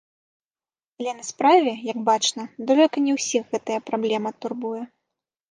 Але на справе, як бачна, далёка не ўсіх гэтая праблема турбуе.